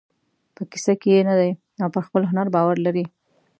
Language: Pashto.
په کیسه کې یې نه دی او پر خپل هنر باور لري.